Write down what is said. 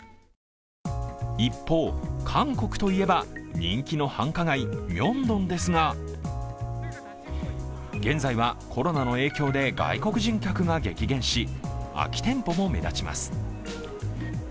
一方、韓国といえば人気の繁華街ミョンドンですが、現在はコロナの影響で外国人客が激減し、空き店舗も目立ちます。